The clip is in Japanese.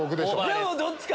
どっちかだ。